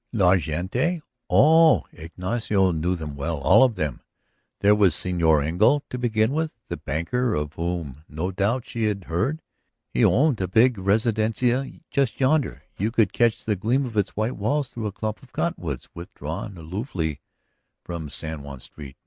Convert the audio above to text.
La gente? Oh, Ignacio knew them well, all of them! There was Señor Engle, to begin with. The banker of whom no doubt she had heard? He owned a big residencia just yonder; you could catch the gleam of its white walls through a clump of cottonwoods, withdrawn aloofly from San Juan's street.